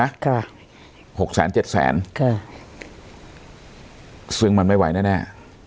นะครับหกแสนเจ็ดแสนก็ซึ่งมันไม่ไหวแน่แน่